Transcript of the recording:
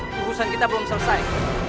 tugusan kita belum selesai